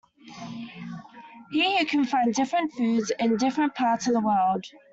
Here you can find different foods in different parts of the world.